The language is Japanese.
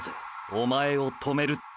“おまえを止める”って！！